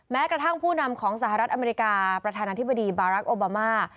แม้กระทั่งผู้นำของสหรัฐอเมริกาประธานาธิบดีบารักษ์โอบามา